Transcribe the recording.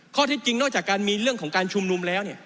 ข้อเท็จจริงนอกจากการมีเรื่องของการชุมนุมแล้ว